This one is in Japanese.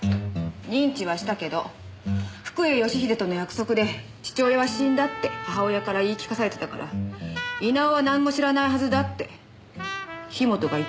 認知はしたけど福栄義英との約束で父親は死んだって母親から言い聞かされてたから稲尾は何も知らないはずだって樋本が言ってたわ。